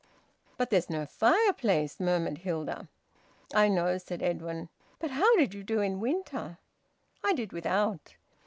"But there's no fireplace," murmured Hilda. "I know," said Edwin. "But how did you do in winter?" "I did without."